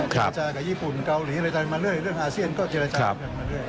เจรจากับญี่ปุ่นเกาหลีอะไรกันมาเรื่อยเรื่องอาเซียนก็เจรจากันมาเรื่อย